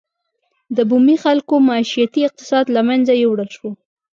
د بومي خلکو معیشتي اقتصاد له منځه یووړل شو.